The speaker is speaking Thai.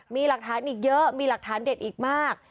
มีหลักฐานอีกเยอะมีหลักฐานเด็ดอีกมาก